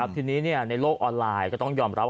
ทีนี้ในโลกออนไลน์ก็ต้องยอมรับ